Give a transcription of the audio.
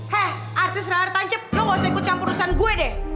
hei artis nara tanjep lo ga usah ikut campur urusan gue deh